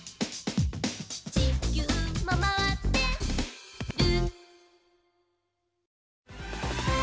「ちきゅうもまわってる」